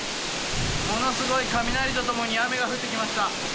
ものすごい雷と共に雨が降ってきました。